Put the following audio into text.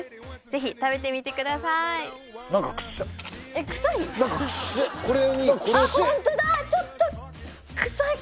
ぜひ食べてみてくださいえっ臭い？